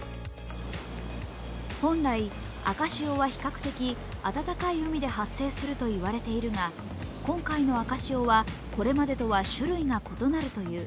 本来、赤潮は比較的温かい海で発生すると言われているが、今回の赤潮は、これまでとは種類が異なるという。